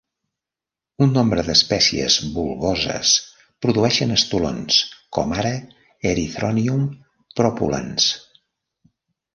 Un nombre d'espècies bulboses produeixen estolons, com ara "erythronium propullans".